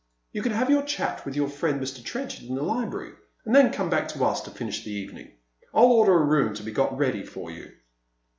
" You can have your chat with your friend Mr. Trenchard in the library, and then come back to us to finish the evening. I'll order a room to be got ready for you."